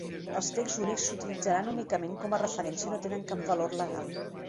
Els texts únics s'utilitzaran únicament com a referència i no tenen cap valor legal.